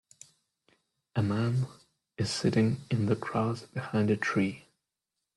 A man is sitting in the grass behind a tree.